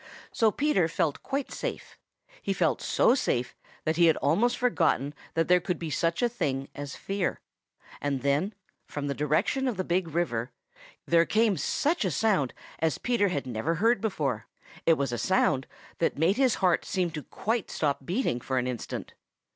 So Peter felt quite safe. He felt so safe that he had almost forgotten that there could be such a thing as fear. And then, from the direction of the Big River, there came such a sound as Peter never had heard before. It was a sound that made his heart seem to quite stop beating for an instant.